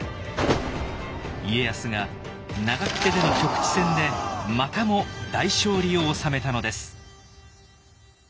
家康が長久手での局地戦でまたも大勝利を収めたのです。